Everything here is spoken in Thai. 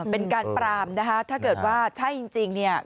เป็นการปรามนะคะถ้าเกิดว่าใช่จริงเนี่ย